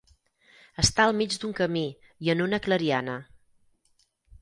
Està al mig d'un camí i en una clariana.